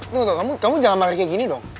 tunggu kamu jangan marah kayak gini dong